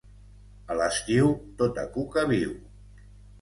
A l'estiu, tota cuca viu